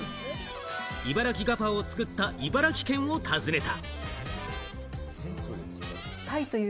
茨城ガパオを作った茨城県を訪ねた。